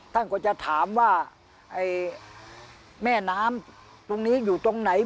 ท่านก็จะถามว่าแม่น้ำตรงนี้อยู่ตรงไหน